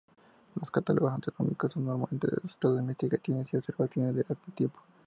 Los catálogos astronómicos son normalmente el resultado de investigaciones u observaciones de algún tipo.